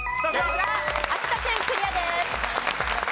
秋田県クリアです。